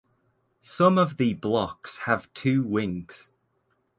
Some of the blocks have two wings.